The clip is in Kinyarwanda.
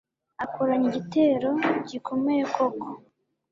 akoranya igitero gikomeye koko